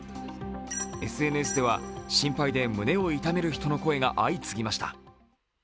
ＳＮＳでは心配で胸を痛める人の声が相次ぎました。